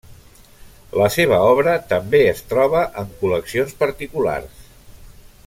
La seva obra també es troba en col·leccions particulars.